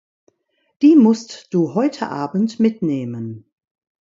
Die musst du heute Abend mitnehmen!